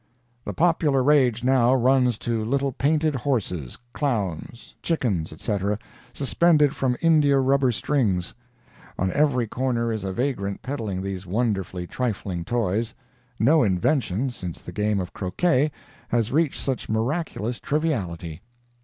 The popular rage now runs to little painted horses, clowns, chickens, etc., suspended from India rubber strings. On every corner is a vagrant peddling these wonderfully trifling toys. No invention, since the game of croquet, has reached such miraculous triviality.